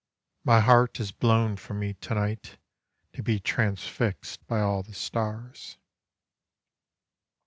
My heart is blown from me to night To be transfixed by all the stars.